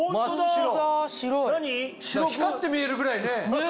光って見えるぐらいね。